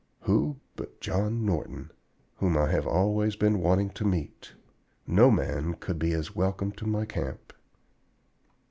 who, but John Norton, whom I have always been wanting to meet. No man could be as welcome to my camp."